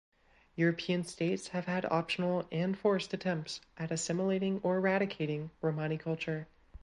European states have had optional and forced attempts at assimilating or eradicating Romani culture.